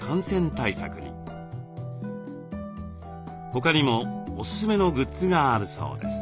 他にもおすすめのグッズがあるそうです。